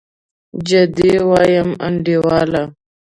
جدي وايم انډيواله.